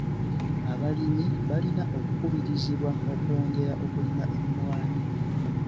Abalimi balina okukubirizibwa okwongera okulima emmwanyi